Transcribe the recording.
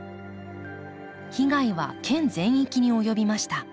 被害は県全域に及びました。